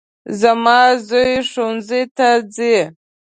زما زوی ښوونځي ته ځي